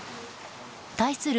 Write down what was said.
対する